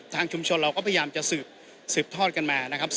ชุมชนเราก็พยายามจะสืบทอดกันมานะครับ